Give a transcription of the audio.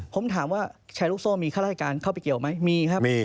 ผมถามว่าใหนลูกโซมีฆฤตัการเข้าไปเกี่ยวไม่มีครับ